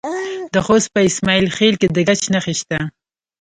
د خوست په اسماعیل خیل کې د ګچ نښې شته.